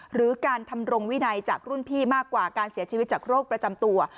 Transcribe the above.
หรือการทำรงวินัยจากรุ่นพี่มากกว่าการเสียชีวิตจากโรคประจำตัว